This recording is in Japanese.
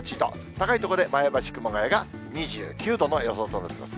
高い所で前橋、熊谷が２９度の予想となっています。